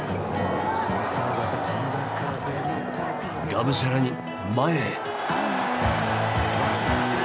がむしゃらに前へ！